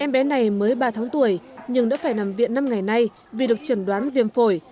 em bé này mới ba tháng tuổi nhưng đã phải nằm viện năm ngày nay vì được chẩn đoán viêm phổi